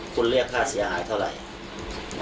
คุณเรียกค่าเสียหายเท่าไหร่